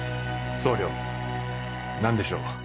総領何でしょう？